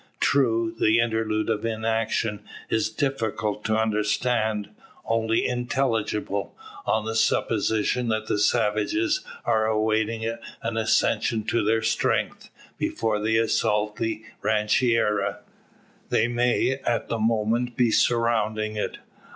True, the interlude of inaction is difficult to understand; only intelligible, on the supposition that the savages are awaiting an accession to their strength, before they assault the rancheria. They may at the moment be surrounding it?